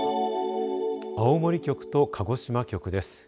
青森局と鹿児島局です。